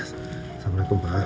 assalamualaikum pak ma